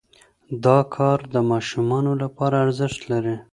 دا کار د ماشومانو لپاره ارزښت لري.